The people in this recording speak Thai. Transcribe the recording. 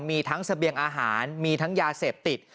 มีทั้งเสบียงอาหารมีทั้งยาเสพติด